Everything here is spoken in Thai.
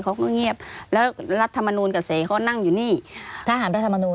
เขาก็เงียบแล้วรัฐธรรมนูนกับเศษเขานั่งอยู่นี่ทหารรัฐธรรมนูน